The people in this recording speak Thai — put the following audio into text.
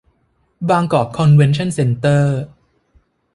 บางกอกคอนเวนชั่นเซ็นเตอร์